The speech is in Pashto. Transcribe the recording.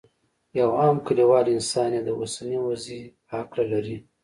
یو عام کلیوال انسان یې د اوسنۍ وضعې په هکله لري.